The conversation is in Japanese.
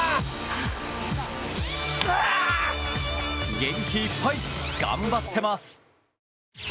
元気いっぱい、頑張ってます。